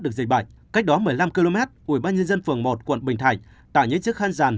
được dịch bệnh cách đó một mươi năm km ủy ban nhân dân phường một quận bình thạnh tạo những chiếc khăn ràn